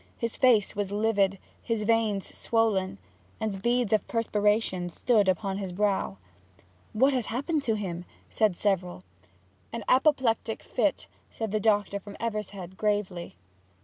His face was livid, his veins swollen, and beads of perspiration stood upon his brow. 'What's happened to him?' said several. 'An apoplectic fit,' said the doctor from Evershead, gravely.